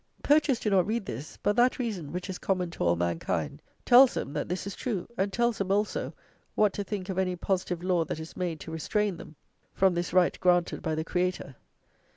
Poachers do not read this; but that reason which is common to all mankind tells them that this is true, and tells them, also, what to think of any positive law that is made to restrain them from this right granted by the Creator.